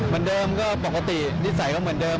เหมือนเดิมก็ปกตินิสัยก็เหมือนเดิม